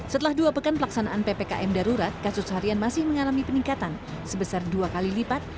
setelah dua pekan pelaksanaan ppkm darurat kasus harian masih mengalami peningkatan sebesar dua kali lipat